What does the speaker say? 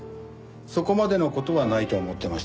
そこまでの事はないと思ってましたから。